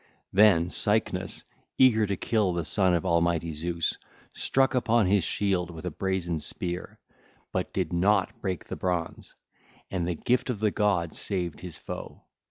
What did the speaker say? (ll. 413 423) Then Cycnus, eager to kill the son of almighty Zeus, struck upon his shield with a brazen spear, but did not break the bronze; and the gift of the god saved his foe.